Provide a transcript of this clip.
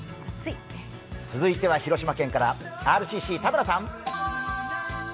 続いては広島県からＲＣＣ・田村さん。